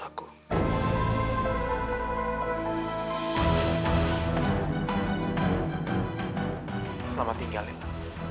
aku mencintai lembu